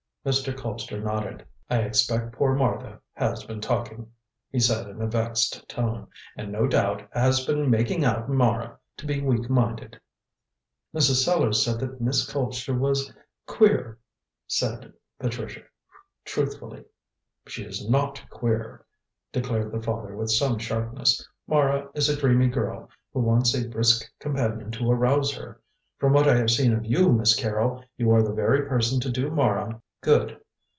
Mr. Colpster nodded. "I expect poor Martha has been talking," he said in a vexed tone, "and, no doubt, has been making out Mara to be weak minded." "Mrs. Sellars said that Miss Colpster was queer," said Patricia truthfully. "She is not queer," declared the father, with some sharpness. "Mara is a dreamy girl who wants a brisk companion to arouse her. From what I have seen of you, Miss Carrol, you are the very person to do Mara good.